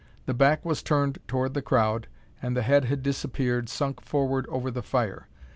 The back was turned toward the crowd, and the head had disappeared, sunk forward over the fire.